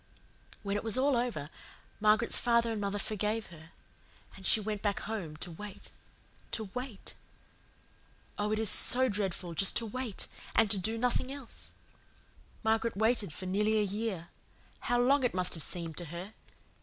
"When it was all over, Margaret's father and mother forgave her, and she went back home to wait to WAIT. Oh, it is so dreadful just to WAIT, and do nothing else. Margaret waited for nearly a year. How long it must have seemed to her!